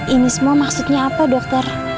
ini semua maksudnya apa dokter